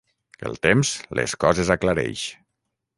El temps, les coses aclareix.